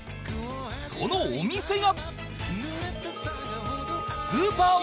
そのお店が